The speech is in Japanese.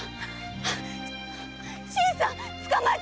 新さん捕まえて！